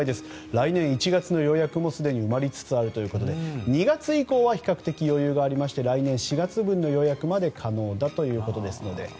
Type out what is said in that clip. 来年１月の予約もすでに埋まりつつあるということで２月以降は比較的余裕がありまして来年４月分の予約まで可能だということです。